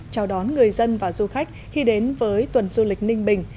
chào đón người dân và du khách khi đến với tuần du lịch ninh bình